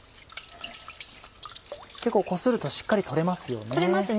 結構こするとしっかり取れますよね。